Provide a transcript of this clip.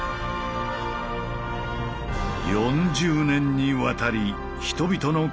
４０年にわたり人々の暮らしを支えてきた